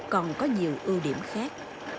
còn có nhiều ưu điểm khác